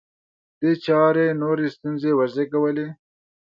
دې چارې نورې ستونزې وزېږولې